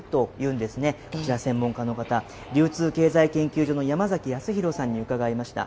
こちら、専門家の方、流通経済研究所の山崎泰弘さんに伺いました。